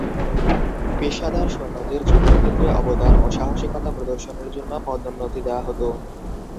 পেশাদার সৈন্যদের যুদ্ধক্ষেত্রে অবদান ও সাহসিকতা প্রদর্শনের জন্যে পদোন্নতি দেয়া হত।